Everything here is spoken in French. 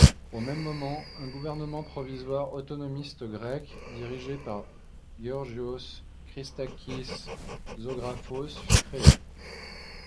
Au même moment, un gouvernement provisoire autonomiste grec, dirigé par Georgios Christakis-Zographos fut créé.